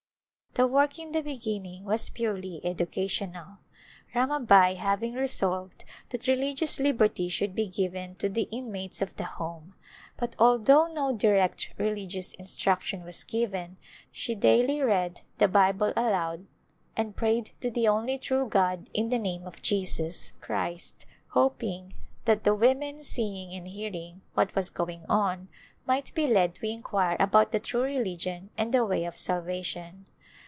The work in the beginning was purely educational, Ramabai having resolved that religious liberty should be given to the inmates of the Home, but, although no direct religious instruction was given, she daily read the Bible aloud and prayed to the only true God in the name of Jesus Christ, hoping that the women seeing and hearing what was going on might be led to inquire about the true religion and the way of salvation.